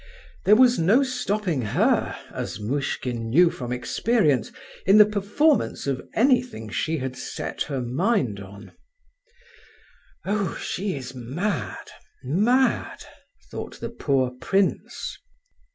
There was no stopping her, as Muishkin knew from experience, in the performance of anything she had set her mind on! "Oh, she is mad, mad!" thought the poor prince.